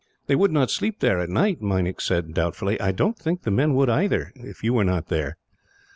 "They would not sleep there, at night," Meinik said, doubtfully. "I don't think the men would, either, if you were not there."